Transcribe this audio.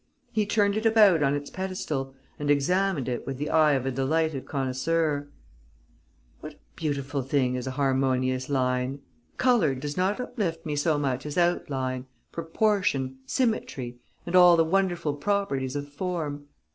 He turned it about on its pedestal and examined it with the eye of a delighted connoisseur: "What a beautiful thing is a harmonious line! Colour does not uplift me so much as outline, proportion, symmetry and all the wonderful properties of form.